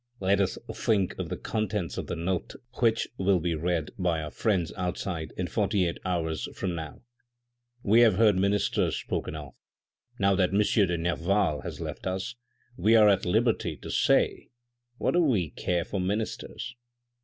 Let us think of the contents of the note which will be read by our friends outside in forty eight hours from now. We have heard ministers spoken of. Now that M. de Nerval has left us, we are at liberty to say ' what we do care for ministers.'